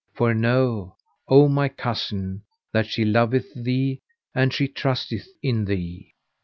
For know, O my cousin, that she loveth thee and she trusteth in thee.